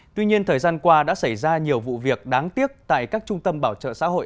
tuy nhiên thời gian qua đã xảy ra nhiều vụ việc đáng tiếc tại các trung tâm bảo trợ xã hội